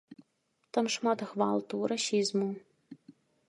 Там шмат гвалту, расізму.